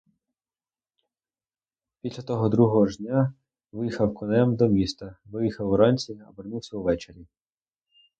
Після того другого ж дня виїхав конем до міста; виїхав уранці, а вернувся увечері.